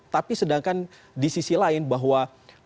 tapi sedangkan di sisi lain bahwa